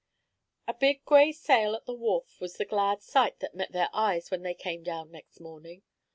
A big gray sail at the wharf was the glad sight that met their eyes when they came down next morning.